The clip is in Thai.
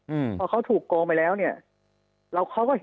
อืมเพราะเขาถูกโกงไปแล้วเนี่ยอะ